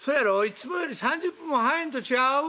いつもより３０分も早いんと違う？